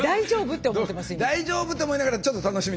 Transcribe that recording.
「大丈夫？」って思いながらちょっと楽しみにしている。